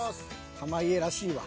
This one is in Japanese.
濱家らしいわ。